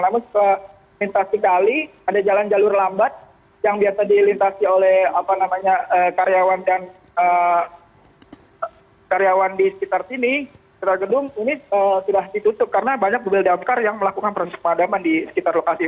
namun setelah lintasi kali ada jalan jalur lambat yang biasa dilintasi oleh karyawan di sekitar sini di gedung ini tidak ditutup karena banyak gebel damkar yang melakukan perusahaan di sekitar lokasi